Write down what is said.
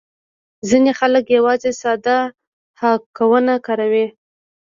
ځینې خلک یوازې ساده هکونه کاروي